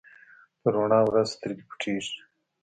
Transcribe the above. په رڼا ورځ سترګې پټېږي.